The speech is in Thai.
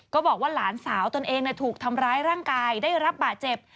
ก็บอกว่าหลานสาวตนเองถูกทำร้ายร่างกายได้รับบาดเจ็บ